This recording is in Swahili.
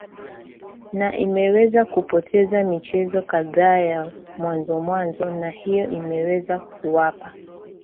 na imeweza kupoteza michezo kadhaa ya mwanzo mwanzo na hiyo inaweza kuwapa